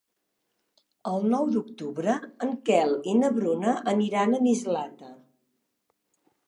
El nou d'octubre en Quel i na Bruna aniran a Mislata.